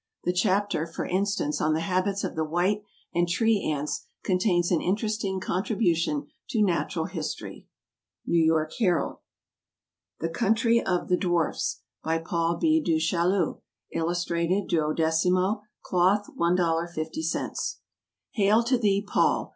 The chapter, for instance, on the habits of the white and tree ants contains an interesting contribution to natural history. N. Y. Herald. The Country of the Dwarfs. By PAUL B. DU CHAILLU. Illustrated. 12mo, Cloth, $1.50. Hail to thee, Paul!